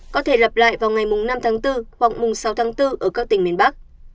có thể lặp lại vào ngày năm tháng bốn hoặc sáu tháng bốn ở các tỉnh miền bắc